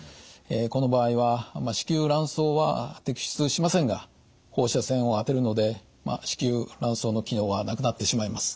この場合は子宮卵巣は摘出しませんが放射線を当てるので子宮卵巣の機能はなくなってしまいます。